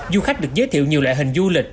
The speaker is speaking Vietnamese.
du khách được giới thiệu nhiều loại hình du lịch